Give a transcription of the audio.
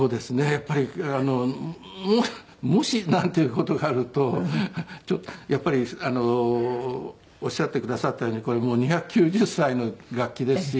やっぱり「もし」なんていう事があるとやっぱりおっしゃってくださったようにこれもう２９０歳の楽器ですし。